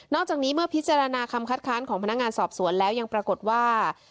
จากนี้เมื่อพิจารณาคำคัดค้านของพนักงานสอบสวนแล้วยังปรากฏว่า